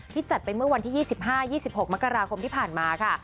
จัดไปเมื่อวันที่๒๕๒๖มกราคมที่ผ่านมาค่ะ